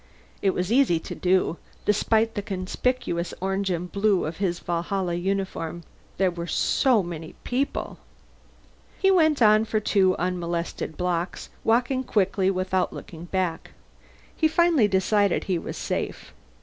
It was easy to do, despite the conspicuous orange and blue of his Valhalla uniform. There were so many people. He went on for two unmolested blocks, walking quickly without looking back. Finally he decided he was safe.